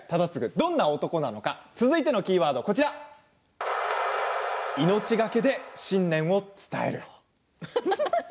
どういう男なのか続いてのキーワードは命懸けで信念を伝える。